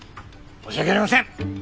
申し訳ありません！